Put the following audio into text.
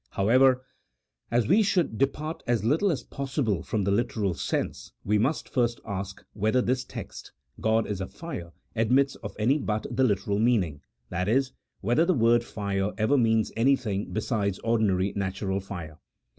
However, as we should depart as little as possible from the literal sense, we must first ask whether this text, God is a fire, admits of any but the literal meaning — that is, whether the word fire ever means anything besides ordinary natural fire.